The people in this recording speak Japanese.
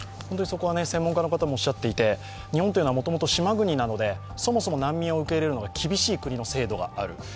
そこは専門家の方もおっしゃっていて日本というのはそもそも島国なので、そもそも難民を受けいるのが厳しい国の制度がある。